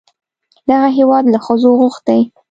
دغه هېواد له ښځو غوښتي